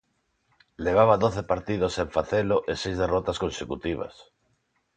Levaba doce partidos sen facelo e seis derrotas consecutivas.